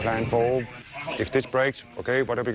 และพร้อมทั้งบางอย่าง